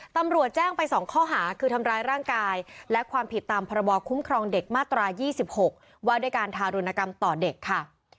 ตำรวจแจ้งไป๒ข้อหาคือทำร้ายร่างกายและความผิดตามพรบคุ้มครองเด็กมาตรา๒๖ว่าด้วยการทารุณกรรมต่อเด็กค่ะ